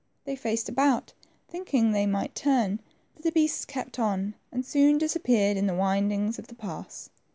They faced about, thinking they might turn, but the beasts kept on and soon disappeared in the windings of the pass.